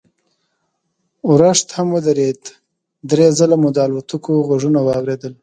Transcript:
ورښت هم ودرېد، درې ځله مو د الوتکو غږونه واورېدل.